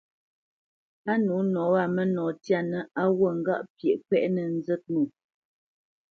Á nǒ nɔ wâ mə́nɔ tyanə̄ á wǔt ŋgâʼ pyeʼ kwɛ́ʼnə nzə̂t ŋo.